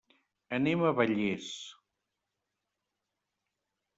Anem a Vallés.